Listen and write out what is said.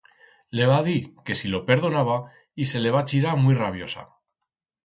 Le va dir que si lo perdonaba y se le va chirar muit rabiosa.